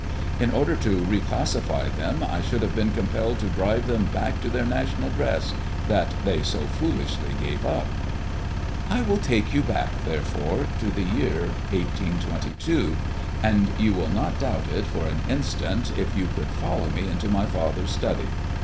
In order to re classify them I should have been compelled to drive them back to their national dress, that they so foolishly gave up. I will take you back, therefore, to the year 1822; and you would not doubt it for an instant if you could follow me into my father's study.